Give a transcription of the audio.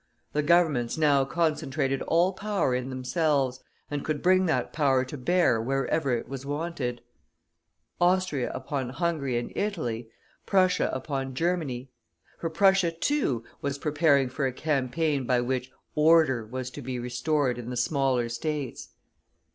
The Governments now concentrated all power in themselves, and could bring that power to bear wherever is was wanted: Austria upon Hungary and Italy, Prussia upon Germany. For Prussia, too, was preparing for a campaign by which "order" was to be restored in the smaller States.